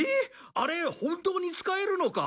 あれ本当に使えるのか？